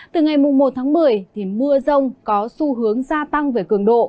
từ ngày một tháng một mươi mưa rông có xu hướng gia tăng về cường độ